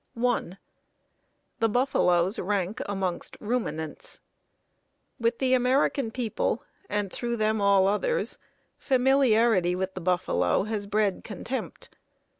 1. The buffaloes rank amongst ruminants. With the American people, and through them all others, familiarity with the buffalo has bred contempt.